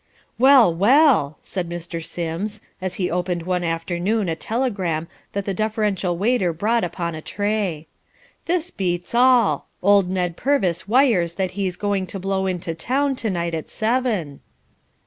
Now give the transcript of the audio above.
"Well, well!" said Mr. Sims, as he opened one afternoon a telegram that the deferential waiter brought upon a tray. "This beats all! Old Ned Purvis wires that he's going to blow in to town to night at seven."